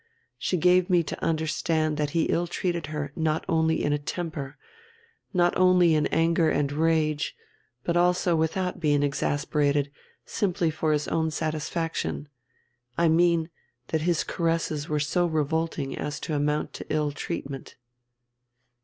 She gave me to understand that he ill treated her not only in a temper, not only in anger and rage, but also without being exasperated, simply for his own satisfaction. I mean, that his caresses were so revolting as to amount to ill treatment."